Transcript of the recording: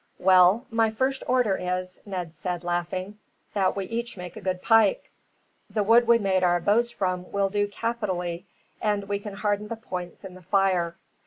"Well, my first order is," Ned said, laughing, "that we each make a good pike. The wood we made our bows from will do capitally, and we can harden the points in the fire.